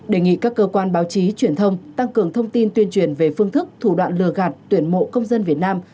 đề nghị các cơ quan báo chí truyền thông tăng cường thông tin tuyên truyền về phương thức thủ đoạn lừa gạt tuyển mộ công dân việt nam